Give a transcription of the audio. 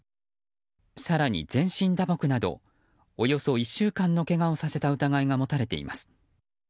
更に全身打撲などおよそ１週間のけがをさせた疑いが持たれています。